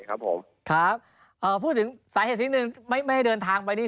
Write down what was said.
ครับพูดถึงสาเหตุนิดหนึ่งไม่ให้เดินทางไปนี่